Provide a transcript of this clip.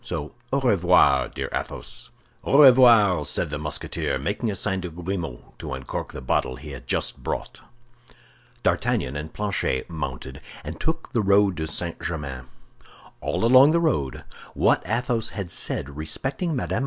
So au revoir, dear Athos." "Au revoir," said the Musketeer, making a sign to Grimaud to uncork the bottle he had just brought. D'Artagnan and Planchet mounted, and took the road to St. Germain. All along the road, what Athos had said respecting Mme.